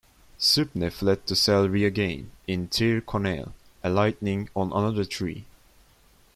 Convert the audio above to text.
Suibhne fled to Cell Riagain in Tir Conaill, alighting on another tree.